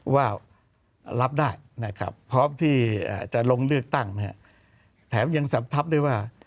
ว่ารับได้นะครับพร้อมที่จะลงเลือกตั้งแถมยังสัมพับด้วยว่า